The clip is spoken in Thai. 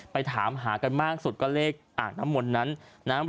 ไปถามหากันมากสุดก็เลขอันน้ำมนนั้นนะครับ